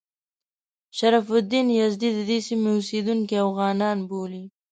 شرف الدین یزدي د دې سیمې اوسیدونکي اوغانیان بولي.